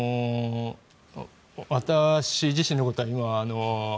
私自身のことは。